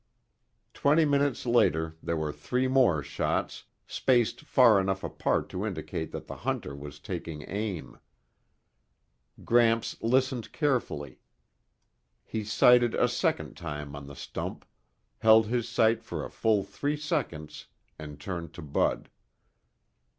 Twenty minutes later there were three more shots spaced far enough apart to indicate that the hunter was taking aim. Gramps listened carefully. He sighted a second time on the stump, held his sight for a full three seconds, and turned to Bud.